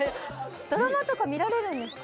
ドラマとか見られるんですか？